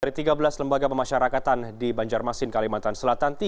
dari tiga belas lembaga pemasyarakatan di banjarmasin kalimantan selatan